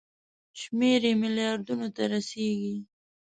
شمېر یې ملیاردونو ته رسیږي.